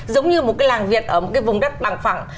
giống như một cái làng việt ở một cái vùng đất bằng phẳng